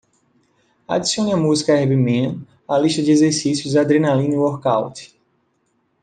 Adicione a música Herbie Mann à lista de exercícios Adrenaline Workout.